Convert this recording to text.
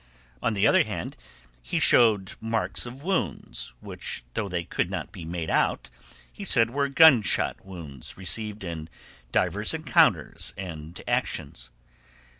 On the other hand he showed marks of wounds, which, though they could not be made out, he said were gunshot wounds received in divers encounters and actions.